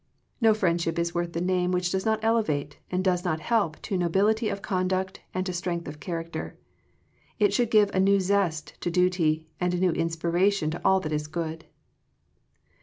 No friendship is worth the name which does not elevate, and does not help to nobility of conduct and to strength of character. It should give a new zest to duty, and a new inspiration to all that is good.